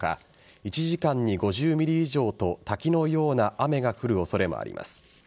１時間に５０ｍｍ以上と滝のような雨が降る恐れがあります。